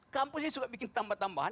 kampusnya suka bikin tambah tambahan